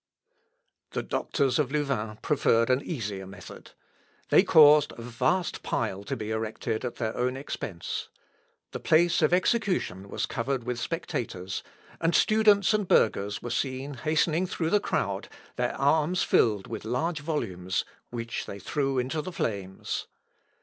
The doctors of Louvain preferred an easier method. They caused a vast pile to be erected at their own expense. The place of execution was covered with spectators, and students and burghers were seen hastening through the crowd, their arms filled with large volumes, which they threw into the flames.